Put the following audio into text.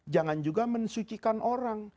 jangan juga mensucikan orang